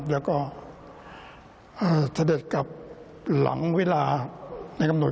แล้วก็เสด็จกลับหลังเวลาในกำหนด